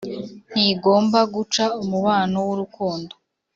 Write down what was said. ntigomba guca umubano wurukundo.